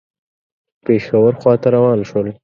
پېښور خواته روان شول.